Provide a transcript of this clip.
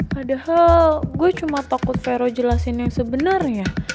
padahal gue cuma takut vero jelasin yang sebenarnya